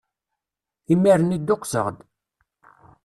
Imir-nni dduqseɣ-d!